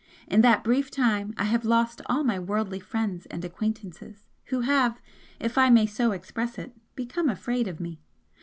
In that brief time I have lost all my 'worldly' friends and acquaintances, who have, if I may so express it, become afraid of me.